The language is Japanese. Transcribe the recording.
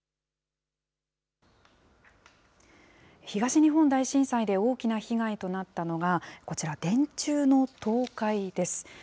東日本大震災で大きな被害となったのが、こちら、電柱の倒壊です。